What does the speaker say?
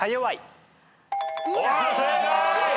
正解。